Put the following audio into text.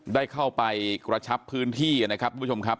ได้เข้าไปกระชับพื้นที่นะครับทุกผู้ชมครับ